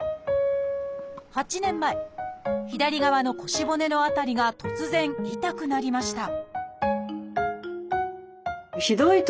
８年前左側の腰骨の辺りが突然痛くなりました